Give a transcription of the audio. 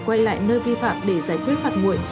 quay lại nơi vi phạm để giải quyết phạt nguội